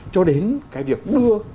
cho đến cái việc đưa